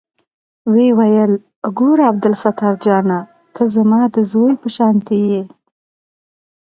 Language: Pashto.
ويې ويل ګوره عبدالستار جانه ته زما د زوى په شانتې يې.